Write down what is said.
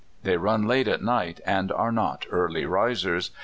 They run late at night, and are not early risers.